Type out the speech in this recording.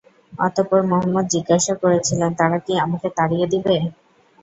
অতঃপর মুহাম্মাদ জিজ্ঞাসা করেছিলেন, "তারা কি আমাকে তাড়িয়ে দেবে?"